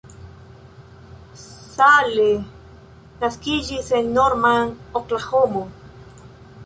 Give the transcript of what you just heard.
Salle naskiĝis en Norman, Oklahomo.